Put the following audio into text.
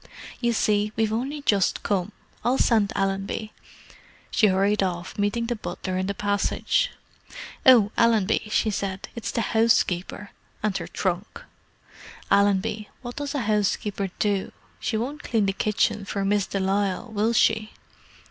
"You see, we've only just come. I'll send Allenby." She hurried off, meeting the butler in the passage. "Oh, Allenby," she said; "it's the housekeeper. And her trunk. Allenby, what does a housekeeper do? She won't clean the kitchen for Miss de Lisle, will she?"